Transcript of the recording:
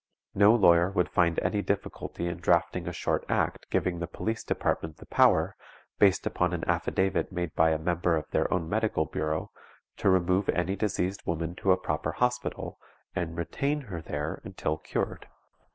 No lawyer would find any difficulty in drafting a short act giving the Police Department the power, based upon an affidavit made by a member of their own medical bureau, to remove any diseased woman to a proper hospital, and retain her there until cured.